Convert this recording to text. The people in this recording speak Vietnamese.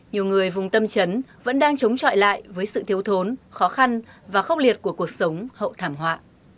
nhiều người vùng tâm trấn vẫn đang chống chọi lại với sự thiếu thốn khó khăn và khốc liệt của cuộc sống hậu thảm họa